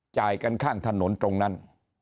จ่ายกันข้างถนนตรงนั้น